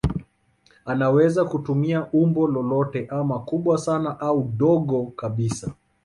Anaweza kutumia umbo lolote ama kubwa sana au dogo kabisa.